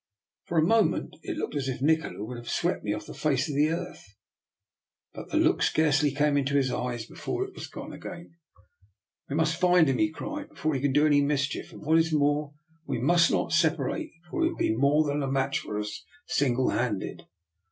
" For a moment it looked as if Nikola would have swept me off the face of the earth, but the look scarcely came into his eyes before it was gone again. " We must find him,*' he cried, " before he can do any mischief, and what is more, we must not separate, for he would be more than a match for us single handed."